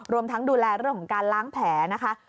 รวมทั้งดูแลเรื่องของการล้างแผลนะคะ